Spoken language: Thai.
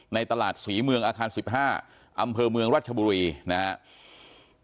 ในตลาดศรีเมืองอาคาร๑๕อำเภอเมืองรัชบุรีนะครับ